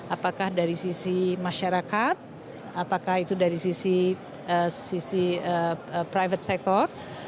apakah dari sisi masyarakat apakah itu dari sisi private sector